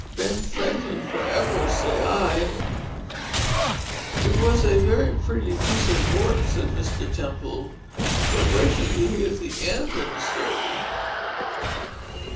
Ben Franklin for ever, say I!" "It was a very pretty piece of work," said Mr. Temple. "But wait till you hear the end of the story."